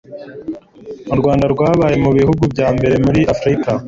u rwanda rwabaye mu bihugu bya mbere muri afurika